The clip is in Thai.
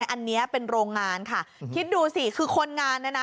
อันนี้เป็นโรงงานค่ะคิดดูสิคือคนงานเนี่ยนะ